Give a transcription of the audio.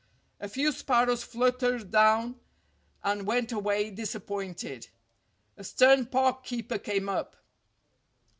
A few sparrows fluttered down and went away disap pointed. A stern park keeper came up.